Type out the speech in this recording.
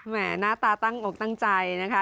หน้าตาตั้งอกตั้งใจนะคะ